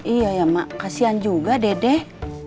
iya ya mak kasihan juga dedek